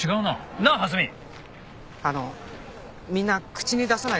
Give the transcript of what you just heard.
あのみんな口に出さないだけで。